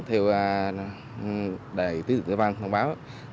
theo đài tư tưởng tư ban thông báo